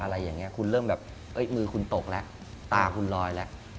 อะไรอย่างนี้คุณเริ่มแบบมือคุณตกแล้วตาคุณลอยแล้ว